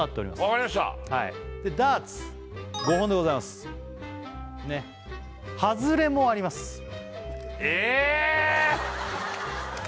分かりましたダーツ５本でございますハズレもありますえ！